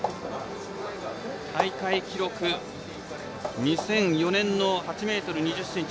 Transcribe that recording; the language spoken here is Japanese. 大会記録、２００４年の８ｍ２０ｃｍ